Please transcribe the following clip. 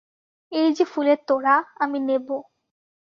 এ যে ফুলের তোড়া, আমি নেব।